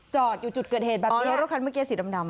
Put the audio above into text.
จอดอยู่จุดเกิดเหตุแบบนี้แล้วรถคันเมื่อกี้สีดำ